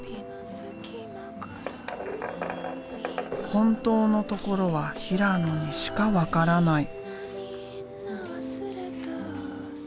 本当のところは平野にしか分からない。